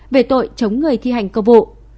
về tội chống người thi hành cơ vụ